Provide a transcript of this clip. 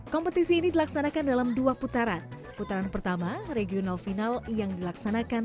kompetisi ini dilaksanakan dalam dua putaran putaran pertama regional final yang dilaksanakan